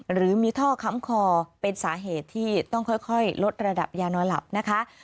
หรือมีท่อค้ำคอเป็นสาเหตุที่ต้องค่อยลดระดับยานอนหลับนะคะ